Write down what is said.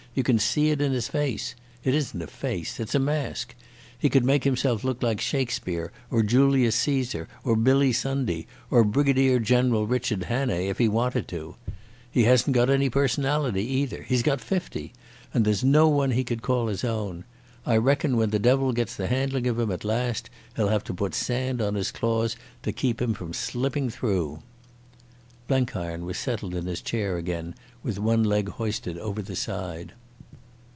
You can see it in his face. It isn't a face, it's a mask. He could make himself look like Shakespeare or Julius Caesar or Billy Sunday or Brigadier General Richard Hannay if he wanted to. He hasn't got any personality either—he's got fifty, and there's no one he could call his own. I reckon when the devil gets the handling of him at last he'll have to put sand on his claws to keep him from slipping through." Blenkiron was settled in his chair again, with one leg hoisted over the side.